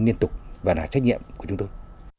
liên tục và là trách nhiệm của chúng tôi